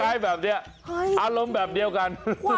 อารมณ์แบบนี้อารมณ์แบบเดียวกัน